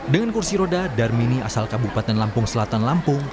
dengan kursi roda darmini asal kabupaten lampung selatan lampung